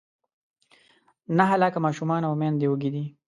نهه لاکه ماشومان او میندې وږې دي.